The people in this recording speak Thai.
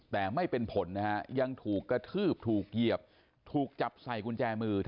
แต่ไม่เป็นผลนะฮะยังถูกกระทืบถูกเหยียบถูกจับใส่กุญแจมือ